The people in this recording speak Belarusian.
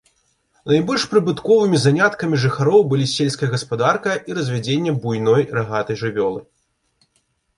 Найбольш прыбытковымі заняткамі жыхароў былі сельская гаспадарка і развядзенне буйной рагатай жывёлы.